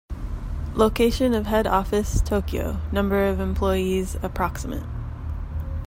Location of head office: Tokyo, Number of employees: Approx.